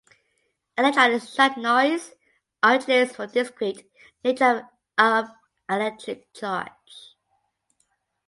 In electronics shot noise originates from the discrete nature of electric charge.